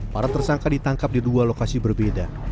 para tersangka ditangkap di dua lokasi berbeda